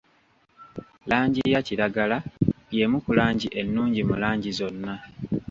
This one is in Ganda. Langi ya kiragala y'emu ku langi ennungi mu langi zonna.